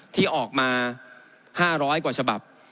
ที่ออกมา๕๐๐กว่าฉบับ